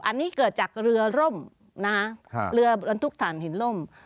อันนี้เกิดจากเรือร่มนะฮะเรือบรรทุกฐานหินล่ม